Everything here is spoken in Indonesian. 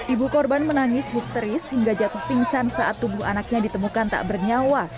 ibu korban menangis histeris hingga jatuh pingsan saat tubuh anaknya ditemukan tak bernyawa